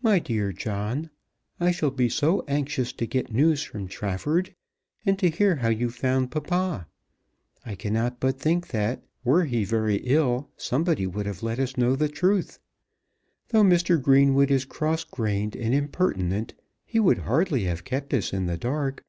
MY DEAR JOHN I shall be so anxious to get news from Trafford, and to hear how you found papa. I cannot but think that were he very ill somebody would have let us know the truth. Though Mr. Greenwood is cross grained and impertinent, he would hardly have kept us in the dark.